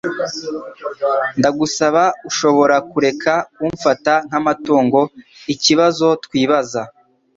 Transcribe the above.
Ndagusaba ushobora kureka kumfata nk'amatungoikibazo twibaza